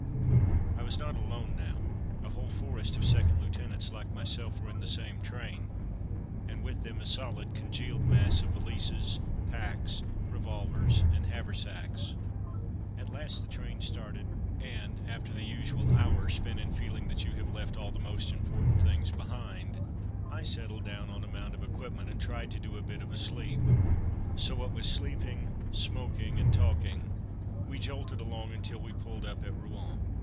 I was not alone now; a whole forest of second lieutenants like myself were in the same train, and with them a solid, congealed mass of valises, packs, revolvers and haversacks. At last the train started, and after the usual hour spent in feeling that you have left all the most important things behind, I settled down on a mound of equipment and tried to do a bit of a sleep. So what with sleeping, smoking and talking, we jolted along until we pulled up at Rouen.